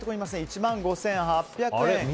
１万５８００円。